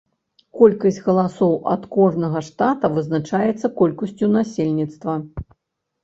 Колькасць галасоў ад кожнага штата вызначаецца колькасцю насельніцтва.